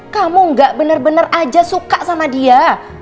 kamu gak bener bener aja suka sama dia